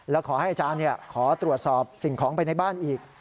แล้วขอให้อาจารย์ขอตรวจสอบสิ่งของไปในบ้านอีก